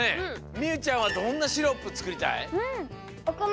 みゆちゃんはどんなシロップつくりたい？